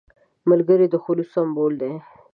ملګری د خلوص سمبول دی